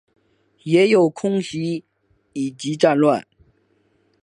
也有空袭以及战乱